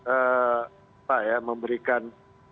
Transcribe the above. apa ya memberikan